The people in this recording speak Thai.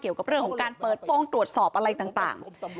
เกี่ยวกับเรื่องของการเปิดโปรงตรวจสอบอะไรต่าง